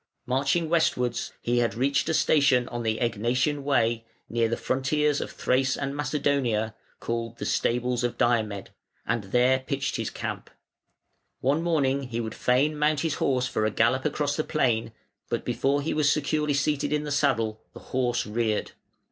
Marching westwards, he had reached a station on the Egnatian Way, near the frontiers of Thrace and Macedonia, called "The Stables of Diomed", and there pitched his camp. One morning he would fain mount his horse for a gallop across the plain, but before he was securely seated in the saddle the horse reared.